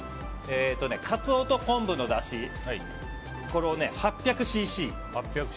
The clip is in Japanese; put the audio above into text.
カツオと昆布のだしを８００ｃｃ。